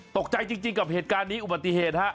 ตกใจจริงกับเหตุการณ์นี้อุบัติเหตุฮะ